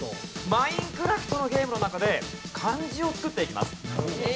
『マインクラフト』のゲームの中で漢字を作っていきます。